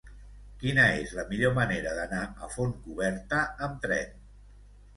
Quina és la millor manera d'anar a Fontcoberta amb tren?